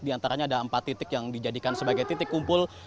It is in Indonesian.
di antaranya ada empat titik yang dijadikan sebagai titik kumpul